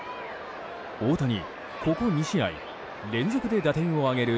大谷、ここ２試合連続で打点を挙げる